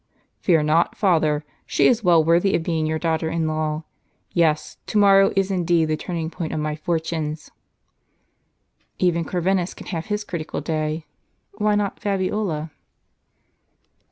"Fear not, father: she is well worthy of being your daughter in law. Yes, to morrow is indeed the turning point of my fortunes." Even Corvinus can have his critical day. Why not Fabiola